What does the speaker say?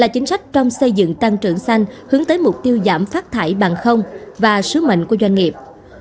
chính sách trong xây dựng tăng trưởng xanh hướng tới mục tiêu giảm phát thải bằng không và sứ mệnh của doanh nghiệp